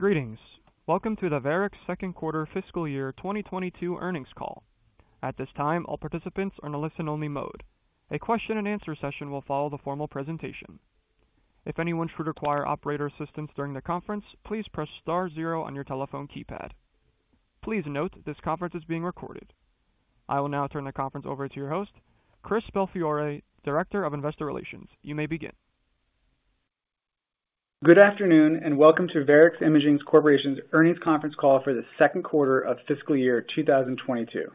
Greetings. Welcome to the Varex second quarter fiscal year 2022 earnings call. At this time, all participants are in a listen-only mode. A question and answer session will follow the formal presentation. If anyone should require operator assistance during the conference, please press star zero on your telephone keypad. Please note this conference is being recorded. I will now turn the conference over to your host, Christopher Belfiore, Director of Investor Relations. You may begin. Good afternoon and welcome to Varex Imaging Corporation's earnings conference call for the second quarter of fiscal year 2022.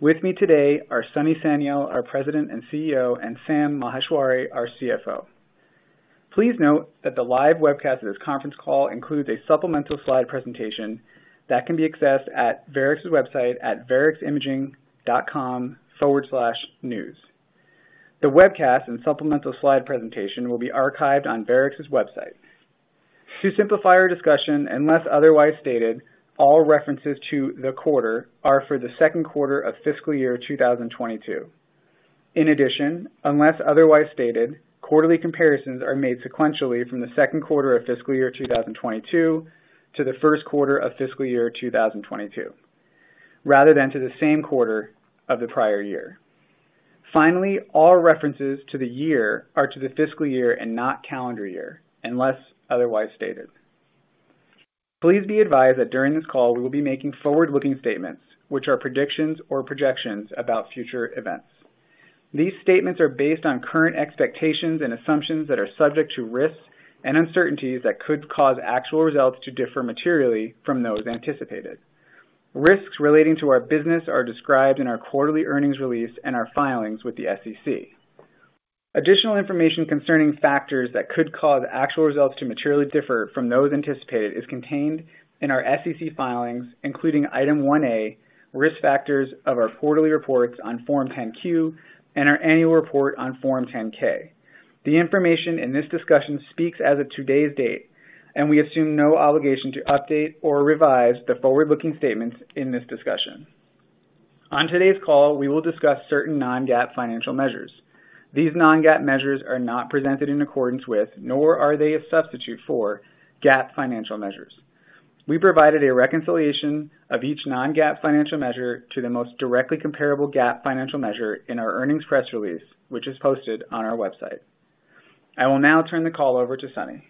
With me today are Sunny Sanyal, our President and CEO, and Sam Maheshwari, our CFO. Please note that the live webcast of this conference call includes a supplemental slide presentation that can be accessed at Varex's website at vareximaging.com/news. The webcast and supplemental slide presentation will be archived on Varex's website. To simplify our discussion, unless otherwise stated, all references to the quarter are for the second quarter of fiscal year 2022. In addition, unless otherwise stated, quarterly comparisons are made sequentially from the second quarter of fiscal year 2022 to the first quarter of fiscal year 2022, rather than to the same quarter of the prior year. Finally, all references to the year are to the fiscal year and not calendar year, unless otherwise stated. Please be advised that during this call we will be making forward-looking statements, which are predictions or projections about future events. These statements are based on current expectations and assumptions that are subject to risks and uncertainties that could cause actual results to differ materially from those anticipated. Risks relating to our business are described in our quarterly earnings release and our filings with the SEC. Additional information concerning factors that could cause actual results to materially differ from those anticipated is contained in our SEC filings, including Item 1A, Risk Factors of our quarterly reports on Form 10-Q and our annual report on Form 10-K. The information in this discussion speaks as of today's date, and we assume no obligation to update or revise the forward-looking statements in this discussion. On today's call, we will discuss certain non-GAAP financial measures. These non-GAAP measures are not presented in accordance with, nor are they a substitute for GAAP financial measures. We provided a reconciliation of each non-GAAP financial measure to the most directly comparable GAAP financial measure in our earnings press release, which is posted on our website. I will now turn the call over to Sunny.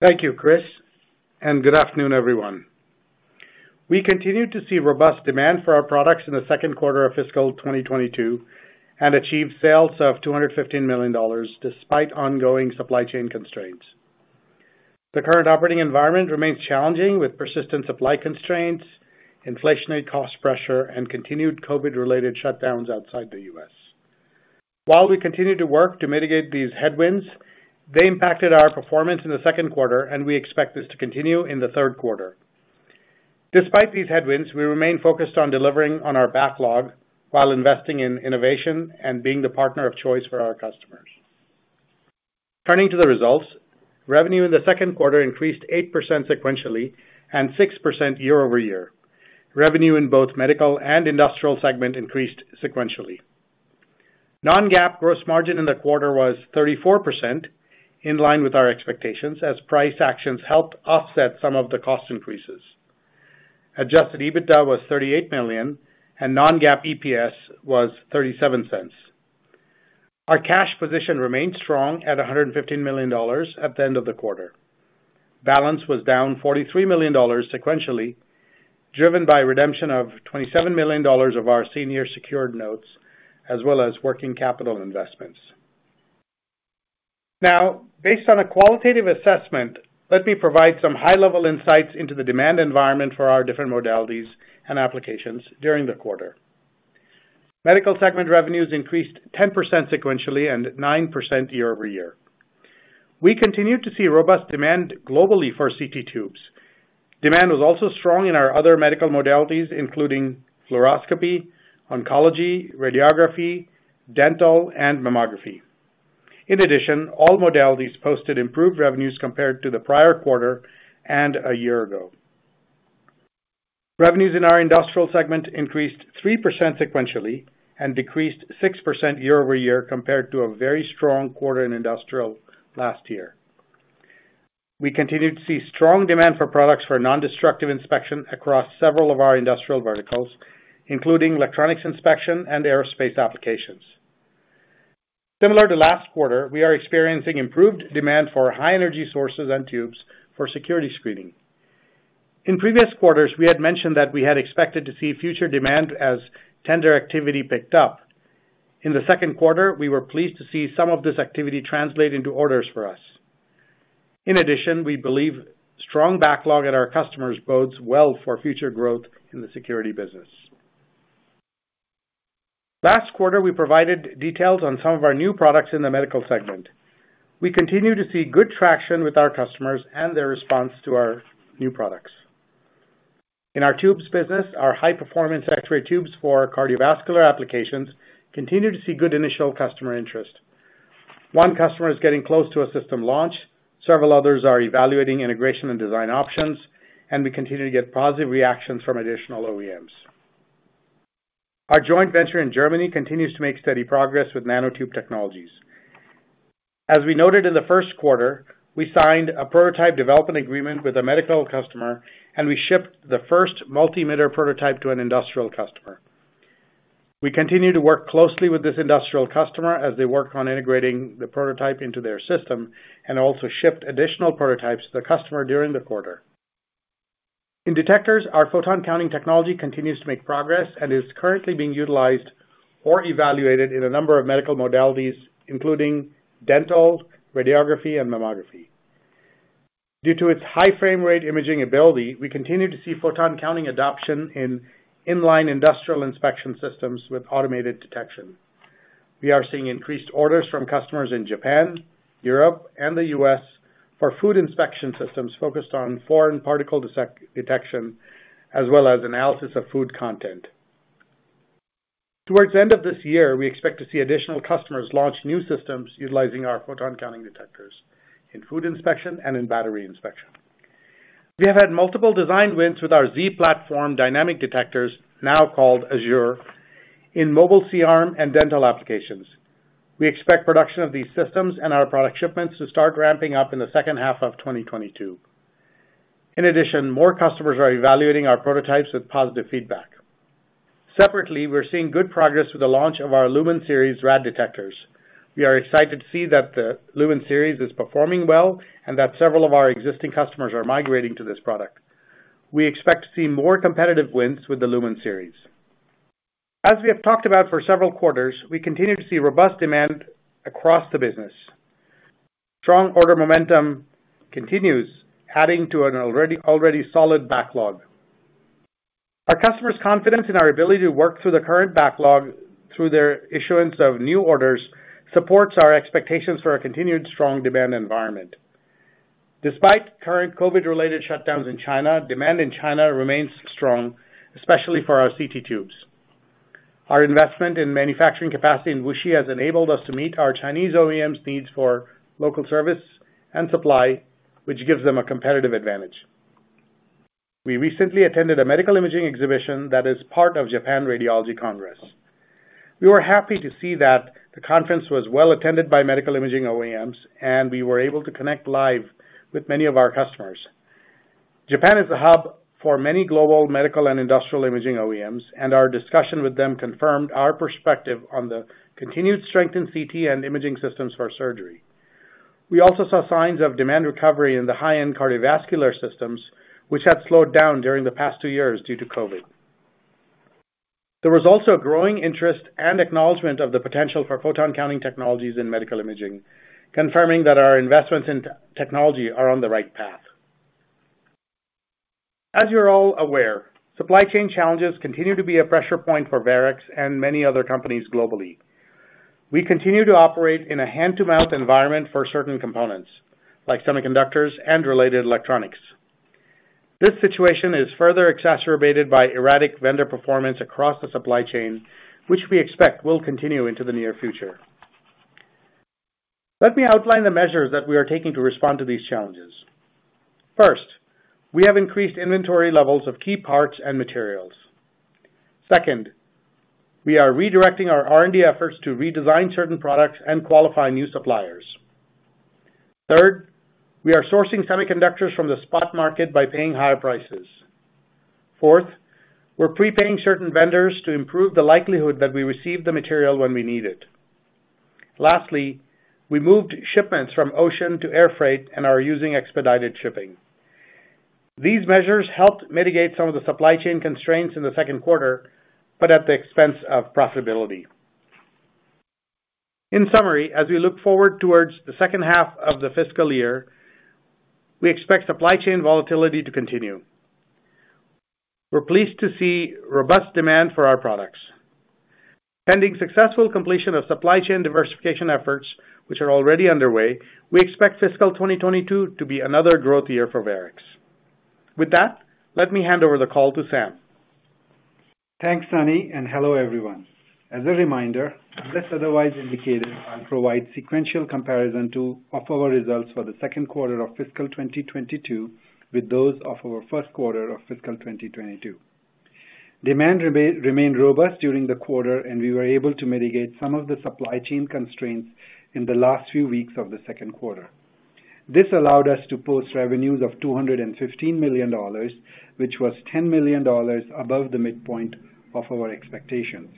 Thank you, Chris, and good afternoon, everyone. We continued to see robust demand for our products in the second quarter of fiscal 2022 and achieved sales of $215 million despite ongoing supply chain constraints. The current operating environment remains challenging with persistence of tight constraints, inflationary cost pressure, and continued COVID-related shutdowns outside the U.S. While we continue to work to mitigate these headwinds, they impacted our performance in the second quarter, and we expect this to continue in the third quarter. Despite these headwinds, we remain focused on delivering on our backlog while investing in innovation and being the partner of choice for our customers. Turning to the results, revenue in the second quarter increased 8% sequentially and 6% year-over-year. Revenue in both medical and industrial segment increased sequentially. Non-GAAP gross margin in the quarter was 34%, in line with our expectations as price actions helped offset some of the cost increases. Adjusted EBITDA was $38 million and non-GAAP EPS was $0.37. Our cash position remains strong at $115 million at the end of the quarter. Balance was down $43 million sequentially, driven by redemption of $27 million of our senior secured notes as well as working capital investments. Now, based on a qualitative assessment, let me provide some high-level insights into the demand environment for our different modalities and applications during the quarter. Medical segment revenues increased 10% sequentially and 9% year-over-year. We continued to see robust demand globally for CT tubes. Demand was also strong in our other medical modalities, including fluoroscopy, oncology, radiography, dental, and mammography. In addition, all modalities posted improved revenues compared to the prior quarter and a year ago. Revenues in our industrial segment increased 3% sequentially and decreased 6% year-over-year compared to a very strong quarter in industrial last year. We continued to see strong demand for products for nondestructive inspection across several of our industrial verticals, including electronics inspection and aerospace applications. Similar to last quarter, we are experiencing improved demand for high energy sources and tubes for security screening. In previous quarters, we had mentioned that we had expected to see future demand as tender activity picked up. In the second quarter, we were pleased to see some of this activity translate into orders for us. In addition, we believe strong backlog at our customers bodes well for future growth in the security business. Last quarter, we provided details on some of our new products in the medical segment. We continue to see good traction with our customers and their response to our new products. In our tubes business, our high-performance X-ray tubes for cardiovascular applications continue to see good initial customer interest. One customer is getting close to a system launch. Several others are evaluating integration and design options, and we continue to get positive reactions from additional OEMs. Our joint venture in Germany continues to make steady progress with nanotube technologies. As we noted in the first quarter, we signed a prototype development agreement with a medical customer, and we shipped the first multi-meter prototype to an industrial customer. We continue to work closely with this industrial customer as they work on integrating the prototype into their system and also shipped additional prototypes to the customer during the quarter. In detectors, our photon counting technology continues to make progress and is currently being utilized or evaluated in a number of medical modalities, including dental, radiography, and mammography. Due to its high frame rate imaging ability, we continue to see photon counting adoption in inline industrial inspection systems with automated detection. We are seeing increased orders from customers in Japan, Europe, and the U.S. for food inspection systems focused on foreign particle detection as well as analysis of food content. Towards the end of this year, we expect to see additional customers launch new systems utilizing our photon counting detectors in food inspection and in battery inspection. We have had multiple design wins with our Z Platform dynamic detectors, now called Azure, in mobile C-arm and dental applications. We expect production of these systems and our product shipments to start ramping up in the second half of 2022. In addition, more customers are evaluating our prototypes with positive feedback. Separately, we're seeing good progress with the launch of our Lumen Series RAD detectors. We are excited to see that the Lumen Series is performing well and that several of our existing customers are migrating to this product. We expect to see more competitive wins with the Lumen Series. As we have talked about for several quarters, we continue to see robust demand across the business. Strong order momentum continues, adding to an already solid backlog. Our customers' confidence in our ability to work through the current backlog through their issuance of new orders supports our expectations for a continued strong demand environment. Despite current COVID-related shutdowns in China, demand in China remains strong, especially for our CT tubes. Our investment in manufacturing capacity in Wuxi has enabled us to meet our Chinese OEMs' needs for local service and supply, which gives them a competitive advantage. We recently attended a medical imaging exhibition that is part of Japan Radiology Congress. We were happy to see that the conference was well-attended by medical imaging OEMs, and we were able to connect live with many of our customers. Japan is a hub for many global medical and industrial imaging OEMs, and our discussion with them confirmed our perspective on the continued strength in CT and imaging systems for surgery. We also saw signs of demand recovery in the high-end cardiovascular systems, which had slowed down during the past two years due to COVID. There was also a growing interest and acknowledgement of the potential for photon counting technologies in medical imaging, confirming that our investments in nanotube technologies are on the right path. As you are all aware, supply chain challenges continue to be a pressure point for Varex and many other companies globally. We continue to operate in a hand-to-mouth environment for certain components, like semiconductors and related electronics. This situation is further exacerbated by erratic vendor performance across the supply chain, which we expect will continue into the near future. Let me outline the measures that we are taking to respond to these challenges. First, we have increased inventory levels of key parts and materials. Second, we are redirecting our R&D efforts to redesign certain products and qualify new suppliers. Third, we are sourcing semiconductors from the spot market by paying higher prices. Fourth, we're prepaying certain vendors to improve the likelihood that we receive the material when we need it. Lastly, we moved shipments from ocean to air freight and are using expedited shipping. These measures helped mitigate some of the supply chain constraints in the second quarter, but at the expense of profitability. In summary, as we look forward toward the second half of the fiscal year, we expect supply chain volatility to continue. We're pleased to see robust demand for our products. Pending successful completion of supply chain diversification efforts, which are already underway, we expect fiscal 2022 to be another growth year for Varex. With that, let me hand over the call to Sam. Thanks, Sunny, and hello, everyone. As a reminder, unless otherwise indicated, I'll provide sequential comparison of our results for the second quarter of fiscal 2022 with those of our first quarter of fiscal 2022. Demand remained robust during the quarter, and we were able to mitigate some of the supply chain constraints in the last few weeks of the second quarter. This allowed us to post revenues of $215 million, which was $10 million above the midpoint of our expectations.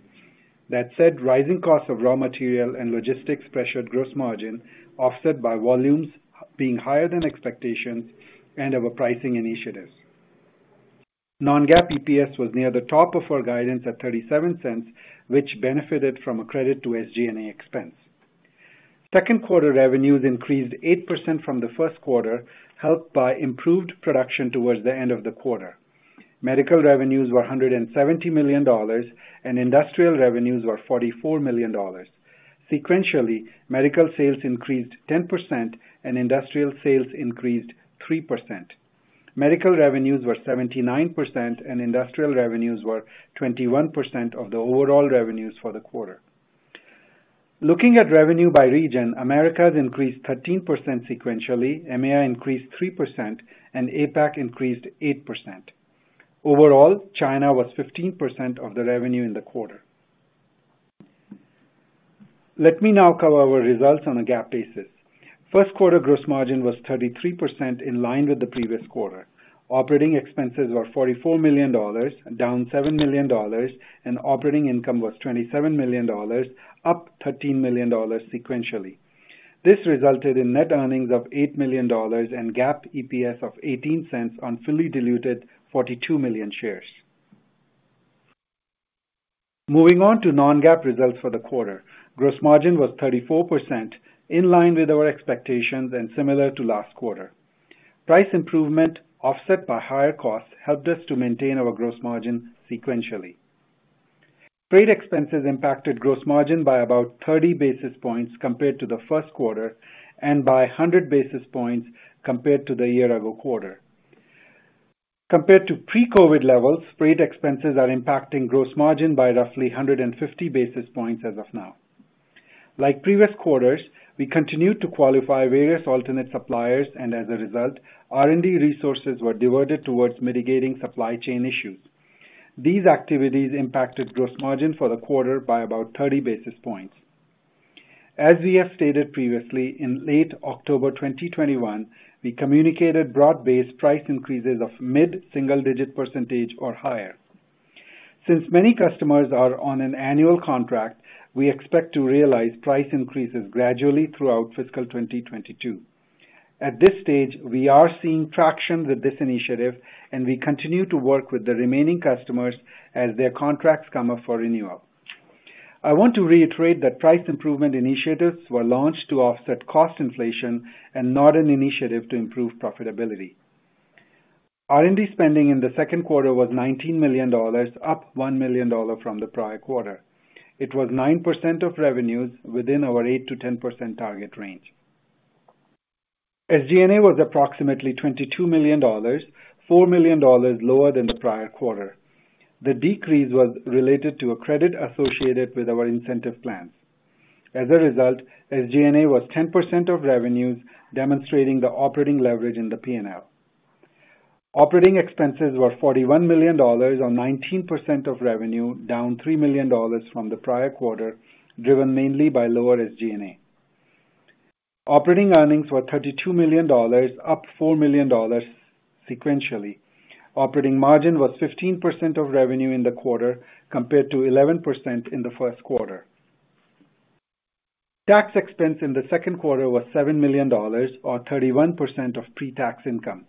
That said, rising costs of raw material and logistics pressured gross margin, offset by volumes being higher than expectations and our pricing initiatives. Non-GAAP EPS was near the top of our guidance at $0.37, which benefited from a credit to SG&A expense. Second quarter revenues increased 8% from the first quarter, helped by improved production towards the end of the quarter. Medical revenues were $170 million, and industrial revenues were $44 million. Sequentially, medical sales increased 10%, and industrial sales increased 3%. Medical revenues were 79%, and industrial revenues were 21% of the overall revenues for the quarter. Looking at revenue by region, Americas increased 13% sequentially, EMEA increased 3%, and APAC increased 8%. Overall, China was 15% of the revenue in the quarter. Let me now cover our results on a GAAP basis. Second quarter gross margin was 33% in line with the previous quarter. Operating expenses were $44 million, down $7 million, and operating income was $27 million, up $13 million sequentially. This resulted in net earnings of $8 million and GAAP EPS of $0.18 on fully diluted 42 million shares. Moving on to non-GAAP results for the quarter. Gross margin was 34% in line with our expectations and similar to last quarter. Price improvement offset by higher costs helped us to maintain our gross margin sequentially. Freight expenses impacted gross margin by about 30 basis points compared to the first quarter and by 100 basis points compared to the year-ago quarter. Compared to pre-COVID levels, freight expenses are impacting gross margin by roughly 150 basis points as of now. Like previous quarters, we continued to qualify various alternate suppliers and as a result, R&D resources were diverted towards mitigating supply chain issues. These activities impacted gross margin for the quarter by about 30 basis points. As we have stated previously, in late October 2021, we communicated broad-based price increases of mid-single-digit percentage or higher. Since many customers are on an annual contract, we expect to realize price increases gradually throughout fiscal 2022. At this stage, we are seeing traction with this initiative, and we continue to work with the remaining customers as their contracts come up for renewal. I want to reiterate that price improvement initiatives were launched to offset cost inflation and not an initiative to improve profitability. R&D spending in the second quarter was $19 million, up $1 million from the prior quarter. It was 9% of revenues within our 8%-10% target range. SG&A was approximately $22 million, $4 million lower than the prior quarter. The decrease was related to a credit associated with our incentive plans. As a result, SG&A was 10% of revenues, demonstrating the operating leverage in the P&L. Operating expenses were $41 million or 19% of revenue, down $3 million from the prior quarter, driven mainly by lower SG&A. Operating earnings were $32 million, up $4 million sequentially. Operating margin was 15% of revenue in the quarter compared to 11% in the first quarter. Tax expense in the second quarter was $7 million or 31% of pre-tax income.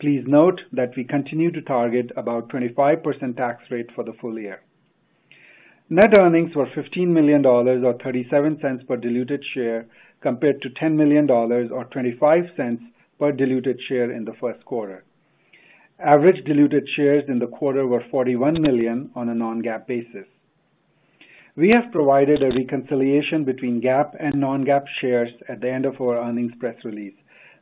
Please note that we continue to target about 25% tax rate for the full year. Net earnings were $15 million or $0.37 per diluted share, compared to $10 million or $0.25 per diluted share in the first quarter. Average diluted shares in the quarter were 41 million on a non-GAAP basis. We have provided a reconciliation between GAAP and non-GAAP shares at the end of our earnings press release.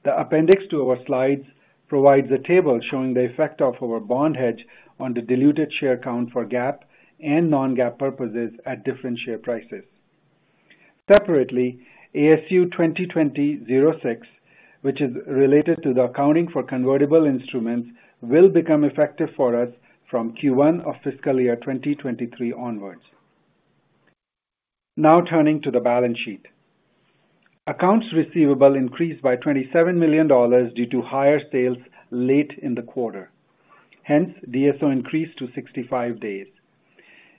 The appendix to our slides provides a table showing the effect of our bond hedge on the diluted share count for GAAP and non-GAAP purposes at different share prices. Separately, ASU 2020-06, which is related to the accounting for convertible instruments, will become effective for us from Q1 of fiscal year 2023 onwards. Now turning to the balance sheet. Accounts receivable increased by $27 million due to higher sales late in the quarter. Hence, DSO increased to 65 days.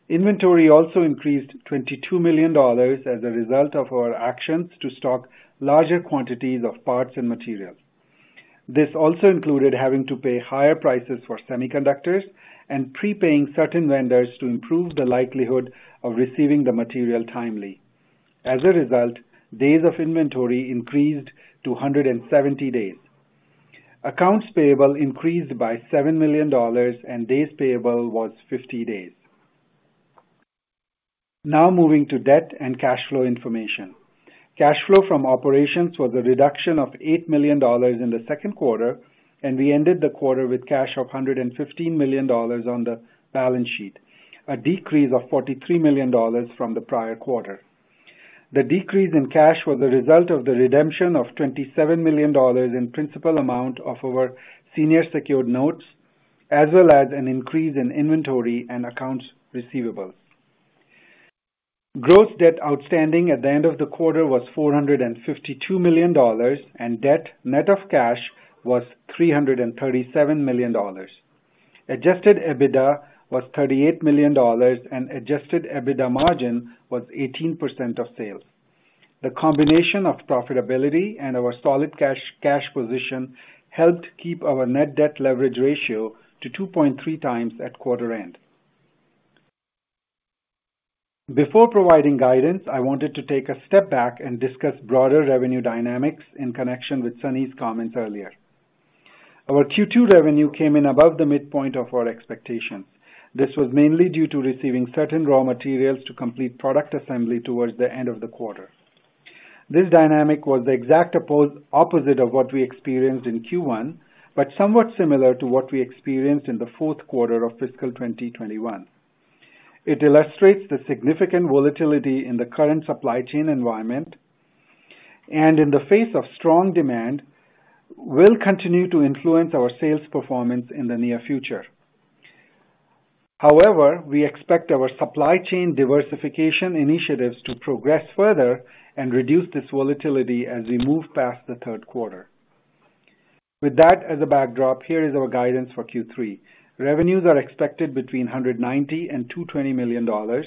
Inventory also increased $22 million as a result of our actions to stock larger quantities of parts and materials. This also included having to pay higher prices for semiconductors and prepaying certain vendors to improve the likelihood of receiving the material timely. As a result, days of inventory increased to 170 days. Accounts payable increased by $7 million, and days payable was 50 days. Now moving to debt and cash flow information. Cash flow from operations was a reduction of $8 million in the second quarter, and we ended the quarter with cash of $115 million on the balance sheet, a decrease of $43 million from the prior quarter. The decrease in cash was a result of the redemption of $27 million in principal amount of our senior secured notes, as well as an increase in inventory and accounts receivables. Gross debt outstanding at the end of the quarter was $452 million, and debt net of cash was $337 million. Adjusted EBITDA was $38 million, and adjusted EBITDA margin was 18% of sales. The combination of profitability and our solid cash position helped keep our net debt leverage ratio to 2.3 times at quarter end. Before providing guidance, I wanted to take a step back and discuss broader revenue dynamics in connection with Sunny's comments earlier. Our Q2 revenue came in above the midpoint of our expectations. This was mainly due to receiving certain raw materials to complete product assembly towards the end of the quarter. This dynamic was the exact opposite of what we experienced in Q1, but somewhat similar to what we experienced in the fourth quarter of fiscal 2021. It illustrates the significant volatility in the current supply chain environment, and in the face of strong demand, will continue to influence our sales performance in the near future. However, we expect our supply chain diversification initiatives to progress further and reduce this volatility as we move past the third quarter. With that as a backdrop, here is our guidance for Q3. Revenues are expected between $190 million and $220 million,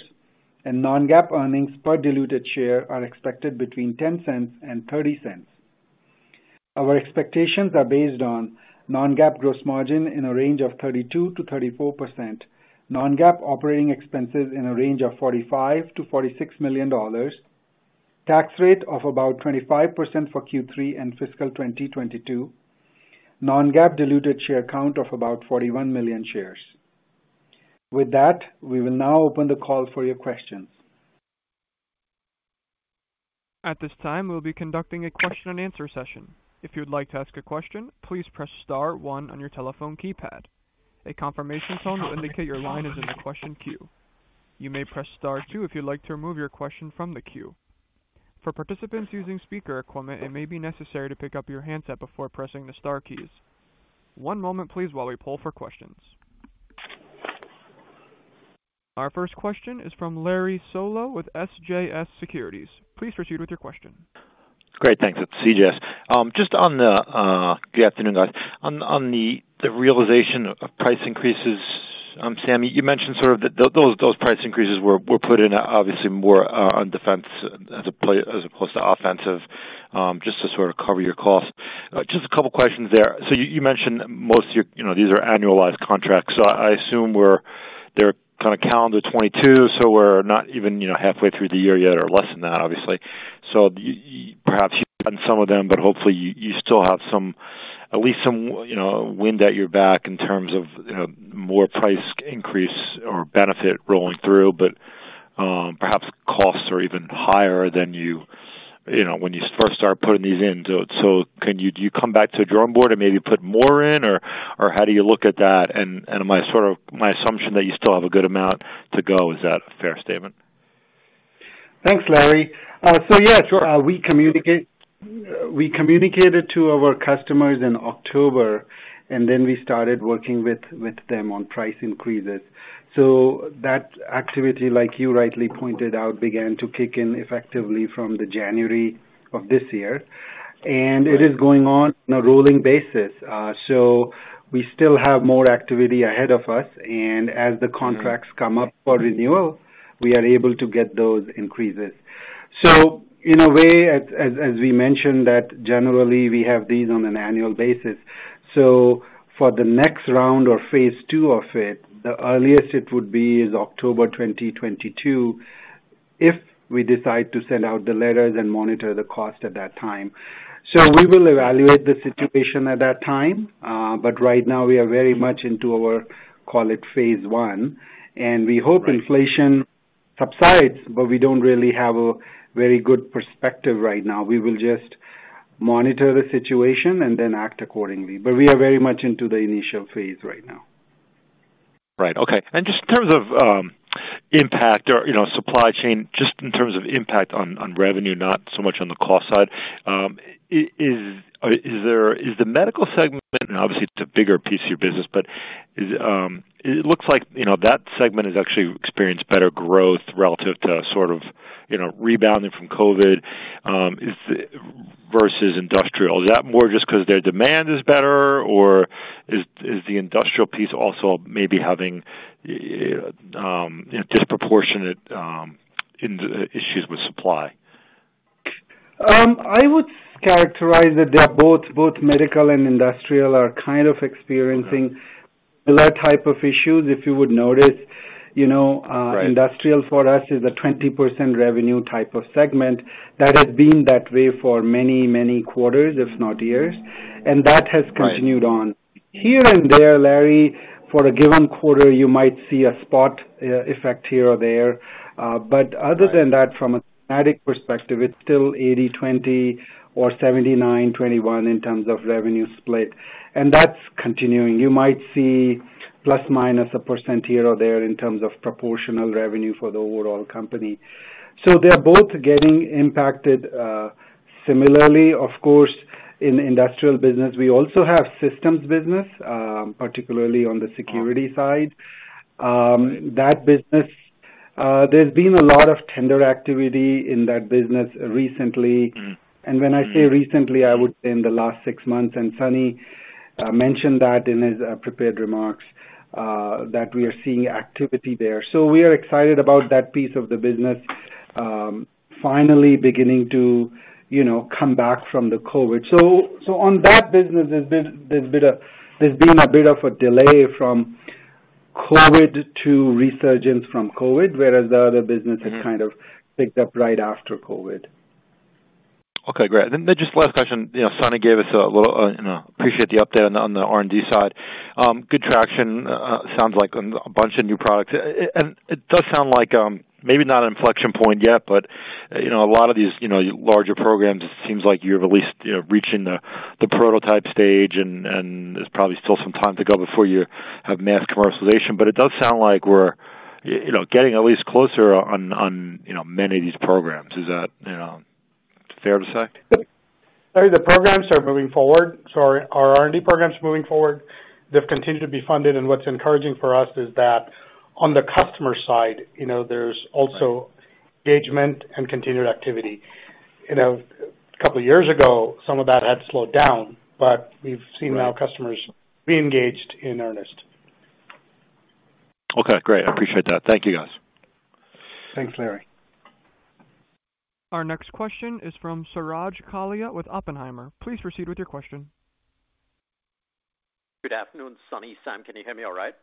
and non-GAAP earnings per diluted share are expected between $0.10 and $0.30. Our expectations are based on non-GAAP gross margin in a range of 32%-34%, non-GAAP operating expenses in a range of $45 million-$46 million, tax rate of about 25% for Q3 and fiscal 2022, non-GAAP diluted share count of about 41 million shares. With that, we will now open the call for your questions. At this time, we'll be conducting a question and answer session. If you'd like to ask a question, please press star one on your telephone keypad. A confirmation tone will indicate your line is in the question queue. You may press star two if you'd like to remove your question from the queue. For participants using speaker equipment, it may be necessary to pick up your handset before pressing the star keys. One moment please while we poll for questions. Our first question is from Larry Solow with CJS Securities. Please proceed with your question. Great. Thanks. It's CJS. Good afternoon, guys. Just on the realization of price increases, Sam, you mentioned sort of those price increases were put in obviously more on defense as opposed to offensive, just to sort of cover your costs. Just a couple questions there. You mentioned most of your, you know, these are annualized contracts. I assume they're kinda calendar 2022, so we're not even, you know, halfway through the year yet or less than that, obviously. You perhaps you've done some of them, but hopefully you still have some, at least some, you know, wind at your back in terms of, you know, more price increase or benefit rolling through, but perhaps costs are even higher than you know when you first start putting these in. Do you come back to the drawing board and maybe put more in, or how do you look at that? Am I sort of my assumption that you still have a good amount to go, is that a fair statement? Thanks, Larry. Yeah, sure. We communicated to our customers in October, and then we started working with them on price increases. That activity, like you rightly pointed out, began to kick in effectively from the January of this year. It is going on a rolling basis. We still have more activity ahead of us, and as the contracts come up for renewal, we are able to get those increases. In a way, as we mentioned that generally we have these on an annual basis, for the next round or phase two of it, the earliest it would be is October 2022, if we decide to send out the letters and monitor the cost at that time. We will evaluate the situation at that time, but right now we are very much into our, call it, phase one, and we hope inflation subsides, but we don't really have a very good perspective right now. We will just monitor the situation and then act accordingly, but we are very much into the initial phase right now. Right. Okay. Just in terms of impact or, you know, supply chain, just in terms of impact on revenue, not so much on the cost side, is the medical segment, and obviously it's a bigger piece of your business, but it looks like, you know, that segment has actually experienced better growth relative to sort of, you know, rebounding from COVID versus industrial. Is that more just 'cause their demand is better or is the industrial piece also maybe having, you know, disproportionate issues with supply? I would characterize that they're both medical and industrial are kind of experiencing similar type of issues. If you would notice, you know. Right. Industrial for us is a 20% revenue type of segment that has been that way for many, many quarters, if not years, and that has continued on. Right. Here and there, Larry, for a given quarter, you might see a spot effect here or there. But other than that, from a static perspective, it's still 80-20 or 79-21 in terms of revenue split. That's continuing. You might see ±1% here or there in terms of proportional revenue for the overall company. They're both getting impacted similarly. Of course, in industrial business, we also have systems business particularly on the security side. That business, there's been a lot of tender activity in that business recently. Mm. When I say recently, I would say in the last six months, and Sunny mentioned that in his prepared remarks that we are seeing activity there. We are excited about that piece of the business finally beginning to, you know, come back from the COVID. On that business, there's been a bit of a delay from COVID to resurgence from COVID, whereas the other business has kind of picked up right after COVID. Okay, great. Just last question. You know, Sunny gave us a little, you know, appreciate the update on the R&D side. Good traction sounds like on a bunch of new products. And it does sound like, maybe not an inflection point yet, but you know, a lot of these, you know, larger programs, it seems like you're at least, you know, reaching the prototype stage, and there's probably still some time to go before you have mass commercialization. But it does sound like we're, you know, getting at least closer on, you know, many of these programs. Is that, you know, fair to say? Larry, the programs are moving forward. Our R&D program's moving forward. They've continued to be funded, and what's encouraging for us is that on the customer side, you know, there's also engagement and continued activity. You know, a couple years ago, some of that had slowed down, but we've seen now customers re-engaged in earnest. Okay, great. I appreciate that. Thank you, guys. Thanks, Larry. Our next question is from Suraj Kalia with Oppenheimer. Please proceed with your question. Good afternoon, Sunny, Sam, can you hear me all right?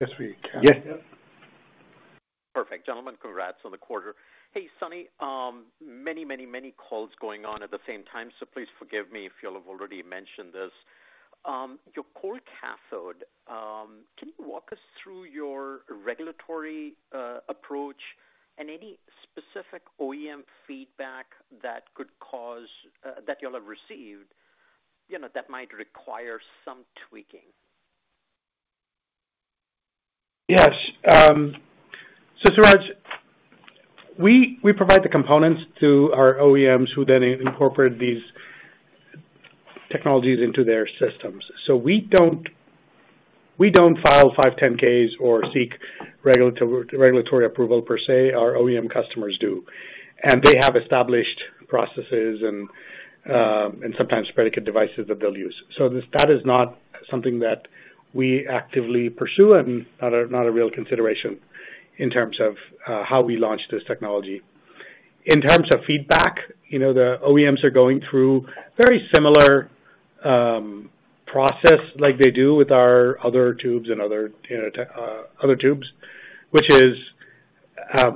Yes, we can. Yes. Perfect. Gentlemen, congrats on the quarter. Hey, Sunny, many calls going on at the same time, so please forgive me if you'll have already mentioned this. Your cold cathode, can you walk us through your regulatory approach and any specific OEM feedback that y'all have received, you know, that might require some tweaking? Yes. Suraj, we provide the components to our OEMs who then incorporate these technologies into their systems. We don't file 510(k)s or seek regulatory approval per se, our OEM customers do. They have established processes and sometimes predicate devices that they'll use. That is not something that we actively pursue and not a real consideration in terms of how we launch this technology. In terms of feedback, you know, the OEMs are going through very similar process like they do with our other tubes and other tubes. Which is,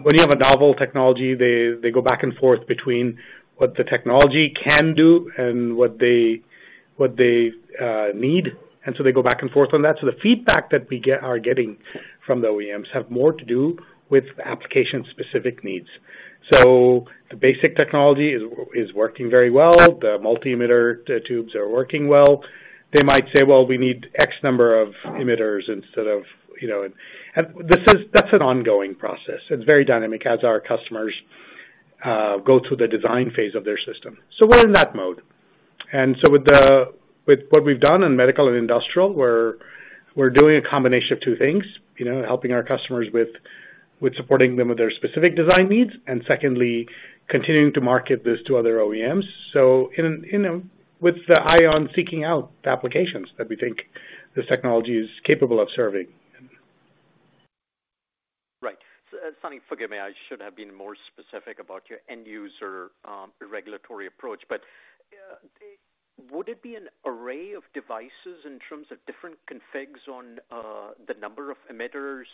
when you have a novel technology, they go back and forth between what the technology can do and what they need. They go back and forth on that. The feedback that we are getting from the OEMs have more to do with application-specific needs. The basic technology is working very well. The multi-emitter tubes are working well. They might say, well, we need X number of emitters instead of, you know. That's an ongoing process. It's very dynamic as our customers go through the design phase of their system. We're in that mode. With what we've done in medical and industrial, we're doing a combination of two things. You know, helping our customers with supporting them with their specific design needs, and secondly, continuing to market this to other OEMs. In with the eye on seeking out the applications that we think this technology is capable of serving. Right. Sunny, forgive me, I should have been more specific about your end user regulatory approach. Would it be an array of devices in terms of different configs on the number of emitters,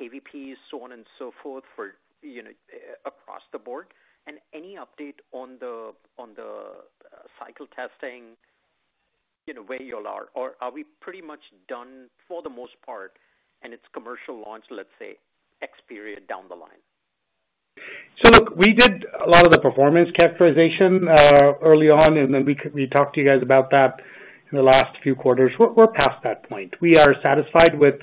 kVp, so on and so forth for, you know, across the board? Any update on the cycle testing, you know, where you all are? Or are we pretty much done for the most part, and it's commercial launch, let's say, X period down the line? Look, we did a lot of the performance characterization early on, and then we talked to you guys about that in the last few quarters. We're past that point. We are satisfied with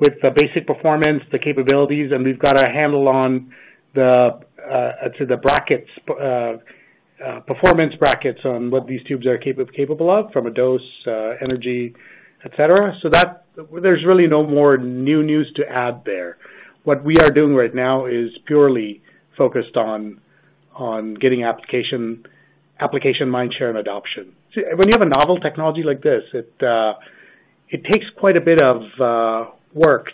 the basic performance, the capabilities, and we've got a handle on the performance brackets on what these tubes are capable of from a dose, energy, et cetera. That there's really no more new news to add there. What we are doing right now is purely focused on getting application mindshare and adoption. See, when you have a novel technology like this, it takes quite a bit of work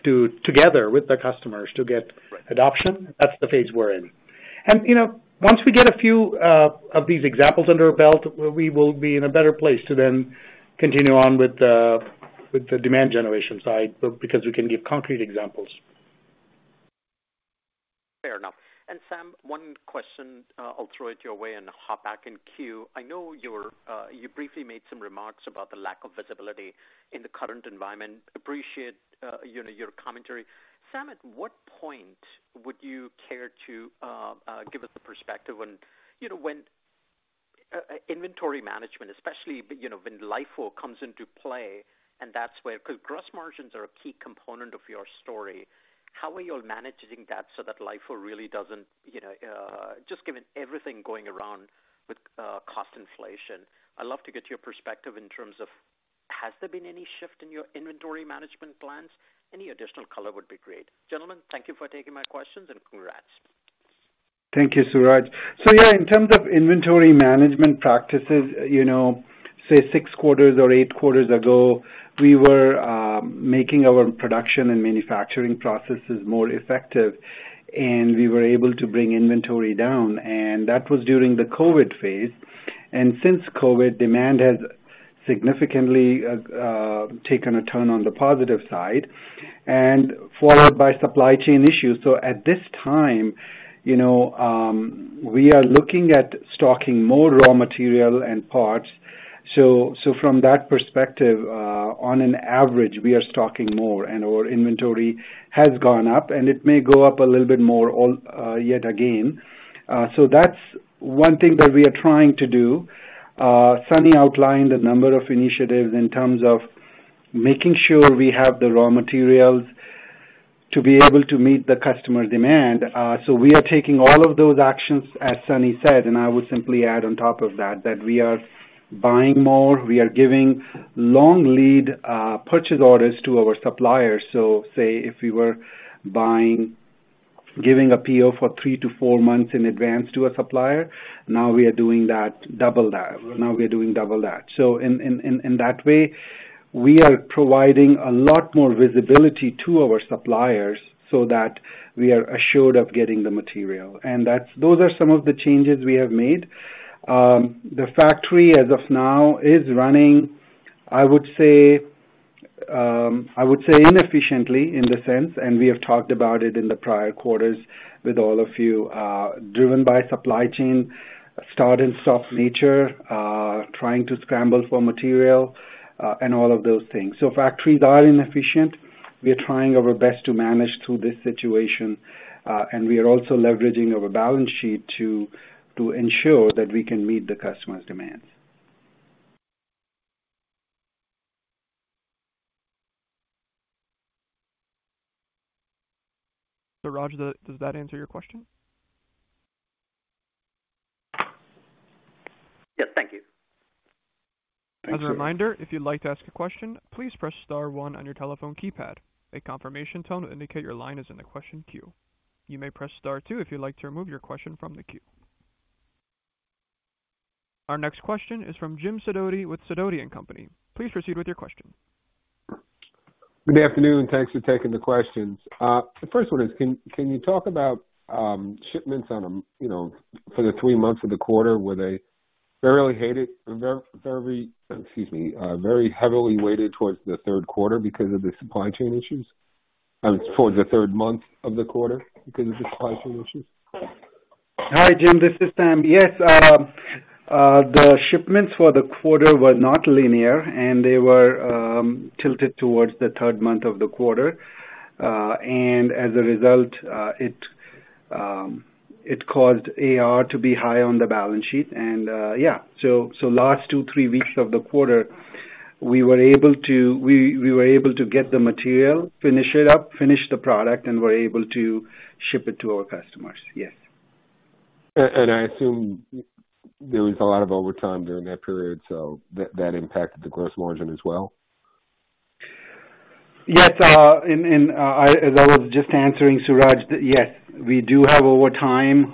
together with the customers to get adoption. That's the phase we're in. You know, once we get a few of these examples under our belt, we will be in a better place to then continue on with the demand generation side because we can give concrete examples. Fair enough. Sam, one question, I'll throw it your way and hop back in queue. I know you briefly made some remarks about the lack of visibility in the current environment. Appreciate you know, your commentary. Sam, at what point would you care to give us a perspective on, you know, when inventory management, especially, you know, when LIFO comes into play, and that's where, because gross margins are a key component of your story, how are you all managing that so that LIFO really doesn't you know just, given everything going around with cost inflation. I'd love to get your perspective in terms of has there been any shift in your inventory management plans? Any additional color would be great. Gentlemen, thank you for taking my questions, and congrats. Thank you, Suraj. Yeah, in terms of inventory management practices, you know, say six quarters or eight quarters ago, we were making our production and manufacturing processes more effective, and we were able to bring inventory down, and that was during the COVID phase. Since COVID, demand has significantly taken a turn on the positive side and followed by supply chain issues. At this time, you know, we are looking at stocking more raw material and parts. From that perspective, on average, we are stocking more and our inventory has gone up, and it may go up a little bit more yet again. That's one thing that we are trying to do. Sunny outlined a number of initiatives in terms of making sure we have the raw materials to be able to meet the customer demand. We are taking all of those actions, as Sunny said, and I would simply add on top of that we are buying more, we are giving long lead purchase orders to our suppliers. Say if we were buying, giving a PO for three-four months in advance to a supplier, now we are doing double that. In that way, we are providing a lot more visibility to our suppliers so that we are assured of getting the material. Those are some of the changes we have made. The factory as of now is running, I would say, inefficiently in the sense, and we have talked about it in the prior quarters with all of you, driven by supply chain start and stop nature, trying to scramble for material, and all of those things. Factories are inefficient. We are trying our best to manage through this situation, and we are also leveraging our balance sheet to ensure that we can meet the customer's demands. Suraj, does that answer your question? Yes. Thank you. Thank you. As a reminder, if you'd like to ask a question, please press star one on your telephone keypad. A confirmation tone will indicate your line is in the question queue. You may press star two if you'd like to remove your question from the queue. Our next question is from James Sidoti with Sidoti & Company. Please proceed with your question. Good afternoon. Thanks for taking the questions. The first one is, can you talk about shipments on a, you know, for the three months of the quarter? Were they very heavily weighted towards the third month of the quarter because of the supply chain issues? Hi, Jim, this is Sam. Yes, the shipments for the quarter were not linear, and they were tilted towards the third month of the quarter. As a result, it caused AR to be high on the balance sheet. Yeah. Last two, three weeks of the quarter, we were able to get the material, finish it up, finish the product, and we're able to ship it to our customers. Yes. I assume there was a lot of overtime during that period, so that impacted the gross margin as well. Yes. As I was just answering Suraj, yes, we do have overtime,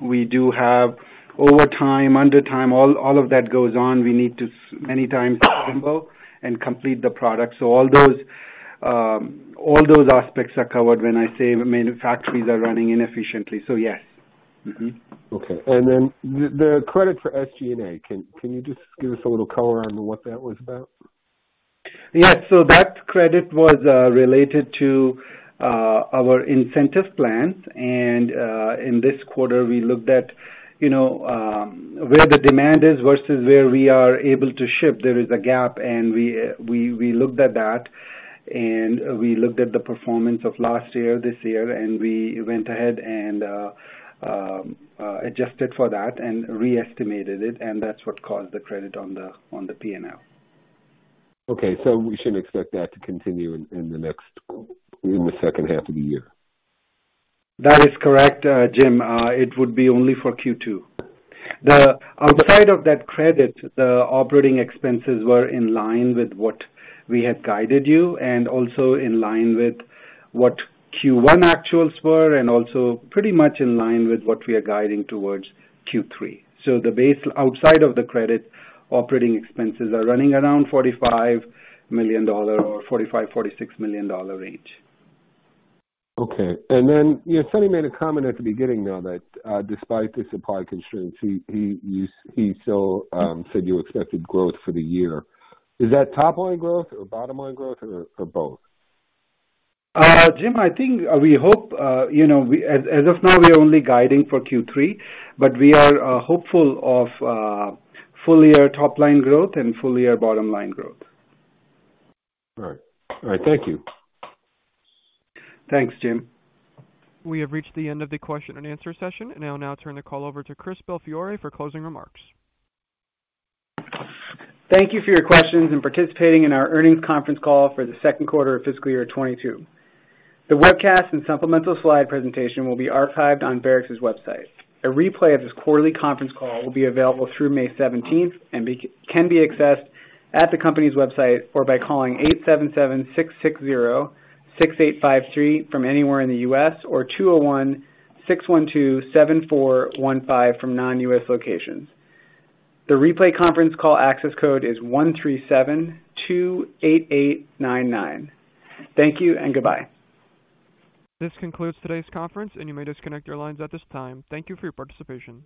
under time, all of that goes on. We need many times to assemble and complete the product. All those aspects are covered when I say manufacturers are running inefficiently. Yes. Okay. The credit for SG&A, can you just give us a little color on what that was about? Yes. That credit was related to our incentive plans. In this quarter, we looked at, you know, where the demand is versus where we are able to ship. There is a gap, and we looked at that, and we looked at the performance of last year, this year, and we went ahead and adjusted for that and re-estimated it, and that's what caused the credit on the P&L. Okay. We shouldn't expect that to continue in the second half of the year. That is correct, Jim. It would be only for Q2. Outside of that credit, the operating expenses were in line with what we had guided you and also in line with what Q1 actuals were and also pretty much in line with what we are guiding towards Q3. The base outside of the credit, operating expenses are running around $45 million or $45-$46 million range. Okay. You know, Sunny made a comment at the beginning, though, that despite the supply constraints, he still said you expected growth for the year. Is that top line growth or bottom line growth or both? Jim, as of now, we are only guiding for Q3. We are hopeful of full year top line growth and full year bottom line growth. All right. Thank you. Thanks, Jim. We have reached the end of the question and answer session. I will now turn the call over to Christopher Belfiore for closing remarks. Thank you for your questions and participating in our earnings conference call for the second quarter of fiscal year 2022. The webcast and supplemental slide presentation will be archived on Varex's website. A replay of this quarterly conference call will be available through May seventeenth and can be accessed at the company's website or by calling 877-660-6853 from anywhere in the U.S. or 201-612-7415 from non-U.S. locations. The replay conference call access code is 13728899. Thank you and goodbye. This concludes today's conference, and you may disconnect your lines at this time. Thank you for your participation.